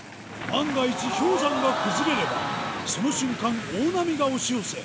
万が一氷山が崩れればその瞬間大波が押し寄せ